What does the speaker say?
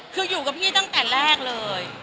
คืออยู่กับพี่ตั้งแต่แรกเลย